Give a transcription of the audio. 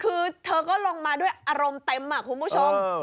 คือเธอก็ลงมาด้วยอารมณ์เต็มคุณผู้ชม